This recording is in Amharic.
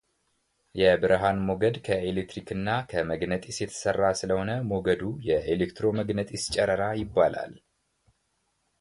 የብርሃን ሞገድ ከኤሌክትሪክ እና ከመግነጢስ የተሰራ ስለሆነ ሞገዱ የ ኤሌክትሮመግነጢስ ጨረራ ይባላል።